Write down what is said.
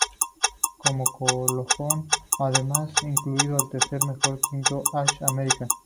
Como colofón, fue además incluido en el tercer mejor quinteto All-American.